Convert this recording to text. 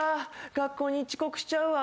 学校に遅刻しちゃうわ。